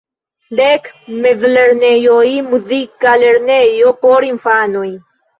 Dek mezlernejoj, muzika lernejo por infanoj.